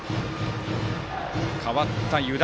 代わった湯田。